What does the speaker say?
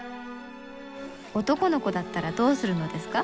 「男の子だったらどうするのですか？」。